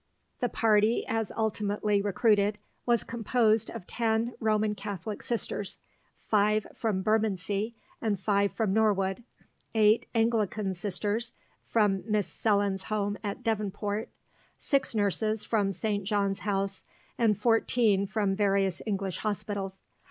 The party, as ultimately recruited, was composed of ten Roman Catholic Sisters (five from Bermondsey and five from Norwood), eight Anglican Sisters (from Miss Sellon's Home at Devonport), six nurses from St. John's House, and fourteen from various English hospitals.